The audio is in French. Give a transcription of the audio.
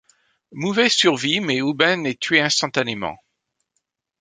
Mouvet survit mais Houben est tué instantanément.